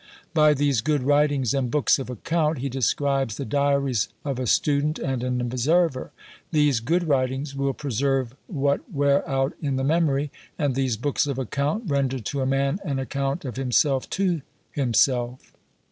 By these good writings and books of account, he describes the diaries of a student and an observer; these "good writings" will preserve what wear out in the memory, and these "books of account" render to a man an account of himself to himself.